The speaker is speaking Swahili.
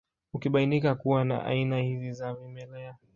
Ukibainika kuwa na aina hizi za vimelea